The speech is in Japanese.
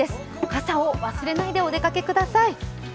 傘を忘れないでお出かけください。